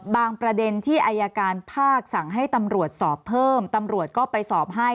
ประเด็นที่อายการภาคสั่งให้ตำรวจสอบเพิ่มตำรวจก็ไปสอบให้